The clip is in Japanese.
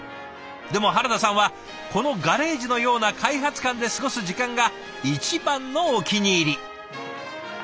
でも原田さんはこのガレージのような開発館で過ごす時間が一番のお気に入り。